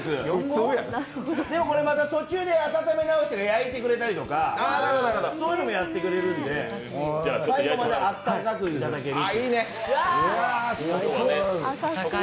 でも途中で温め直して焼いてくれたりとかもやってくれるんで最後まで温かくいただける。